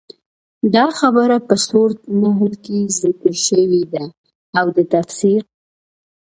دا خبره په سورت نحل کي ذکر شوي ده، او د تفسير